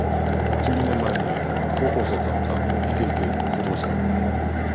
１２年前に高校生だった池井景子を補導した。